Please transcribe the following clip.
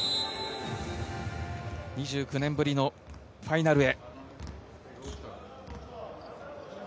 ２９年ぶりのファイナルへ。